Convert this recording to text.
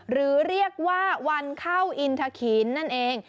หรือเรียกว่าวันเข้าอินทะขีนนั่นเอง